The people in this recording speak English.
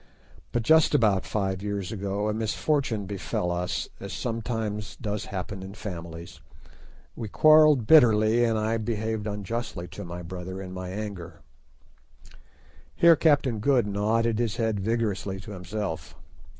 But just about five years ago a misfortune befell us, as sometimes does happen in families. We quarrelled bitterly, and I behaved unjustly to my brother in my anger." Here Captain Good nodded his head vigorously to himself.